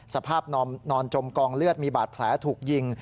สภาพนอนจมกองเลือดมีบาดแผลถูกยิง